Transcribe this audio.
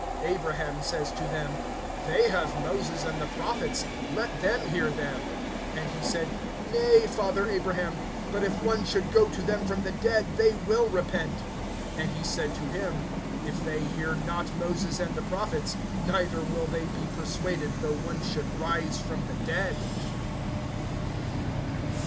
(29)Abraham says to him: They have Moses and the prophets let them hear them. (30)And he said: Nay, father Abraham; but if one should go to them from the dead, they will repent. (31)And he said to him: If they hear not Moses and the prophets, neither will they be persuaded, though one should rise from the dead.